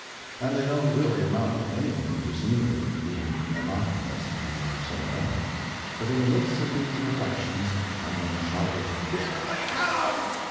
And they don't really amount to anything for scenery, being monotonous when there are so many. But in the midst of these reflections someone shouted: "Here they come!"